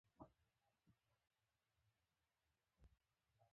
زه یې لاس تړلی لومړی شا جوی ته یووړم.